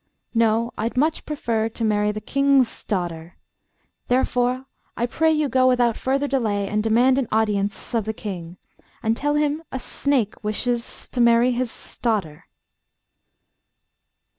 No; I'd much prefer to marry the King's daughter; therefore I pray you go without further delay, and demand an audience of the King, and tell him a snake wishes to marry his daughter.